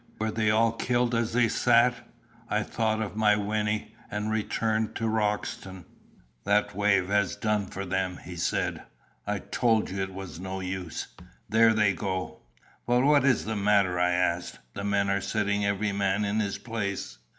Were they all killed as they sat? I thought of my Wynnie, and turned to Roxton. "That wave has done for them," he said. "I told you it was no use. There they go." "But what is the matter?" I asked. "The men are sitting every man in his place."